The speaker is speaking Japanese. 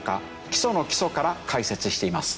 基礎の基礎から解説しています。